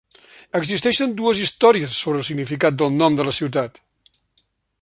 Existeixen dues històries sobre el significat del nom de la ciutat.